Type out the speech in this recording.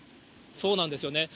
そうなんですよね。